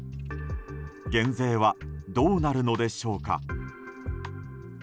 減税は、どうなるのでしょうか。